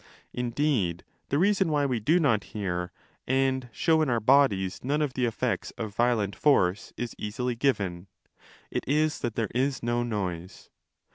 s Indeed the reason why we do not hear, and show in our bodies none of the effects of violent force, is easily given: it is that there is no noise.